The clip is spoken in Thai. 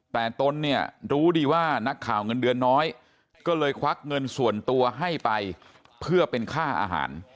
แต่ตนเนี่ยรู้ดีว่านักข่าวเงินเดือนน้อยก็เลยควักเงินส่วนตัวให้ไปเพื่อเป็นค่าอาหาร